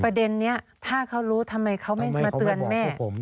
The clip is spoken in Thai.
ประเด็นนี้ถ้าเขารู้ทำไมเขาไม่มาเตือนแม่ทำไมเขาไม่บอกกับผม